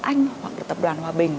anh hoặc là tập đoàn hòa bình